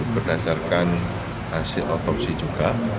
berdasarkan hasil otopsi juga